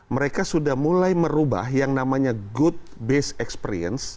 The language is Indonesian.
mereka sudah mulai merubah yang namanya good based experience